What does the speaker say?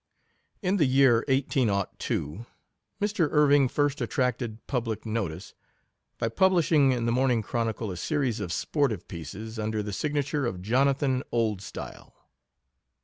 In the year J 802, Mr. Irving first attracted public notice by publishing in the Morning Chronicle a series of sportive pieces under the signature of Jonathan Oldstyle.